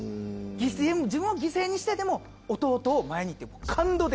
自分を犠牲にしてでも弟を前にって感動的。